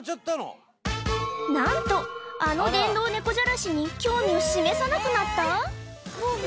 何とあの電動猫じゃらしに興味を示さなくなった？